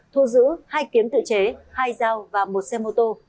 thu giữ hai kiếm tự chế hai dao và một xe mô tô